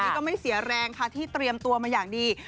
ก็ไม่เสียแรงที่เตรียมตัวมาดี